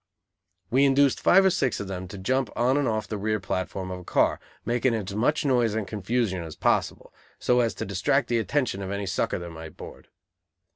We induced five or six of them to jump on and off the rear platform of a car, making as much noise and confusion as possible, so as to distract the attention of any "sucker" that might board.